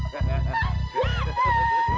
kamu harus berhasil